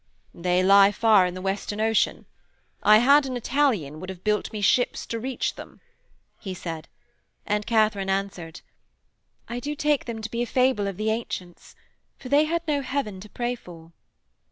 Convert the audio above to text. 'They lie far in the Western Ocean; I had an Italian would have built me ships to reach them,' he said, and Katharine answered: 'I do take them to be a fable of the ancients, for they had no heaven to pray for.'